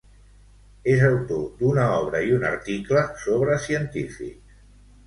És autor d'una obra i un article sobre científics.